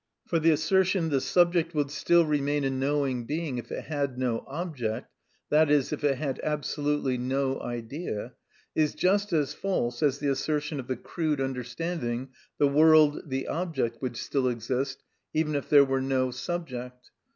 For the assertion, "the subject would still remain a knowing being if it had no object, i.e., if it had absolutely no idea," is just as false as the assertion of the crude understanding, "the world, the object, would still exist, even if there were no subject."